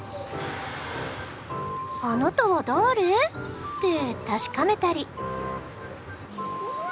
「あなたはだれ？」って確かめたり。